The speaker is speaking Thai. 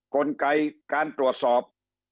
กลไกการตรวจสอบ